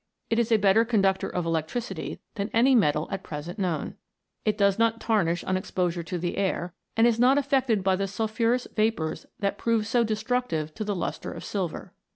It is a better conductor of electricity than any metal at present known. It does not tarnish on exposure to the air, and is not affected by the sulphurous vapours that prove so destructive to the lustre of silver.